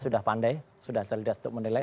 sudah pandai sudah cerdas untuk menilai